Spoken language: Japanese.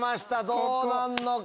どうなんのか。